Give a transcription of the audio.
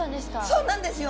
そうなんですよ。